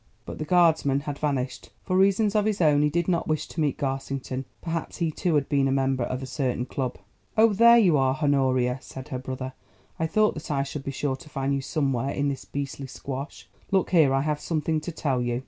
But the Guardsman had vanished. For reasons of his own he did not wish to meet Garsington. Perhaps he too had been a member of a certain club. "Oh, there you are, Honoria," said her brother, "I thought that I should be sure to find you somewhere in this beastly squash. Look here, I have something to tell you."